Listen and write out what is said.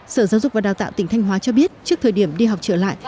sở giáo dục và đào tạo tỉnh thanh hóa cho biết trước thời điểm đi học trở lại